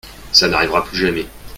Ça n’arrivera plus jamais.